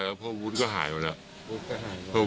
แล้วพ่อวุฒิก็หายไปแล้ว